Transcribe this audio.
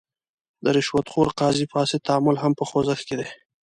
د رشوت خور قاضي فاسد تعامل هم په خوځښت کې دی.